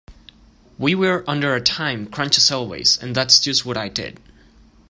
We were under a time crunch as always and that's just what I did.